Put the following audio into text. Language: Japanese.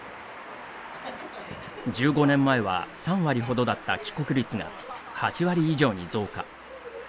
１５年前は３割ほどだった帰国率が、８割以上に増加。